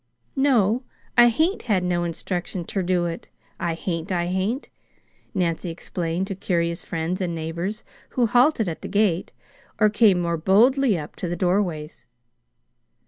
"No, I hain't had no instructions ter do it; I hain't, I hain't," Nancy explained to curious friends and neighbors who halted at the gate, or came more boldly up to the doorways.